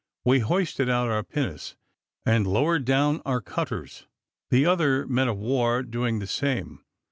We hoisted out our pinnace, and lowered down our cutters the other men of war doing the same.